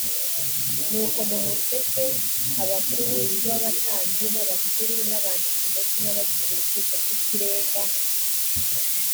nuko mu museke abakuru b abatambyi n abakuru n abanditsi ndetse n abagize urukiko rw ikirenga